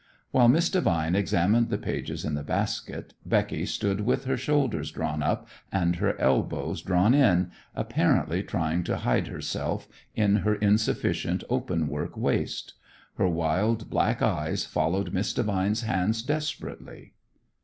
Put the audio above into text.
While Miss Devine examined the pages in the basket, Becky stood with her shoulders drawn up and her elbows drawn in, apparently trying to hide herself in her insufficient open work waist. Her wild, black eyes followed Miss Devine's hands desperately.